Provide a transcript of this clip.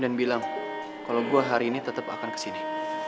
dan bilang kalo gue hari ini tetep akan kesini